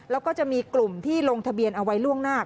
แล้วก็จะมีกลุ่มที่ลงทะเบียนเอาไว้ล่วงหน้า